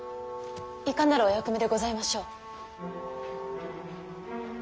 いかなるお役目でございましょう？